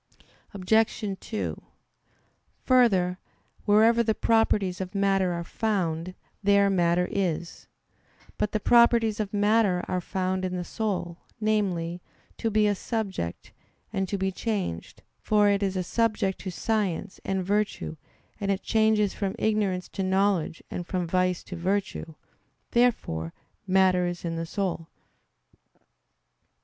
Obj. 2: Further, wherever the properties of matter are found, there matter is. But the properties of matter are found in the soul namely, to be a subject, and to be changed, for it is a subject to science, and virtue; and it changes from ignorance to knowledge and from vice to virtue. Therefore matter is in the soul.